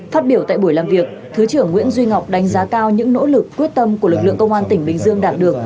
phát biểu tại buổi làm việc thứ trưởng nguyễn duy ngọc đánh giá cao những nỗ lực quyết tâm của lực lượng công an tỉnh bình dương đạt được